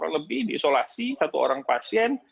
lebih diisolasi satu orang pasien